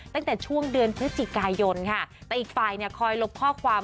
ตั้งแต่ช่วงเดือนพฤศจิกายนค่ะแต่อีกฝ่ายเนี่ยคอยลบข้อความ